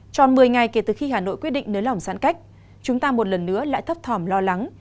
chọn một mươi ngày kể từ khi hà nội quyết định nới lỏng sẵn cách chúng ta một lần nữa lại thấp thòm lo lắng